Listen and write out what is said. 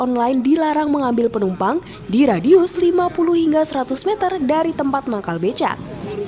online dilarang mengambil penumpang di radius lima puluh hingga seratus meter dari tempat manggal becak